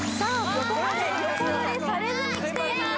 ここまで横取りされずにきています